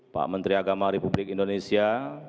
pak menteri agama republik indonesia